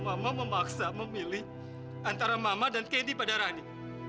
mama memaksa memilih antara mama dan kendi pada rani